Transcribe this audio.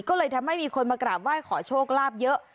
ก็เลยทำให้มีคนมากราบไหว้ขอโชคลาภเยอะ